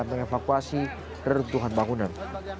mengevakuasi kerentuhan bangunan